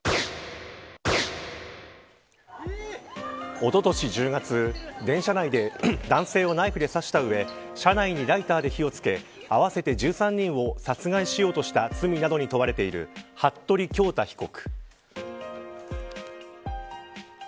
おととし１０月電車内で、男性をナイフで刺した上車内にライターで火を付け合わせて１３人を殺害しようとした罪などに問われている服部恭太被告。